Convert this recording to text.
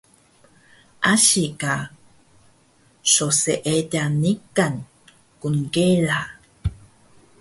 Asi ka so seediq niqan knkela